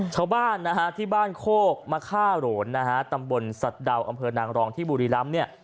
ชาวบ้านที่บ้านโคกมาฆ่าโหลนตำบลสัตว์ดาวอำเภอนางรองที่บุรีรัมพ์